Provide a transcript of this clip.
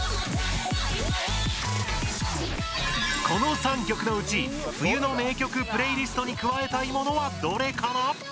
この３曲のうち冬の名曲プレイリストに加えたいものはどれかな？